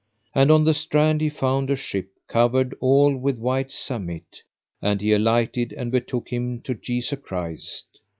And on the strand he found a ship covered all with white samite, and he alighted, and betook him to Jesu Christ.